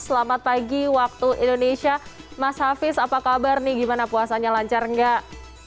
selamat pagi waktu indonesia mas hafiz apa kabar nih gimana puasanya lancar nggak